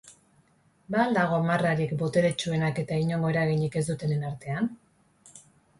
Ba al dago marrarik boteretsuenak eta inongo eraginik ez dutenen artean?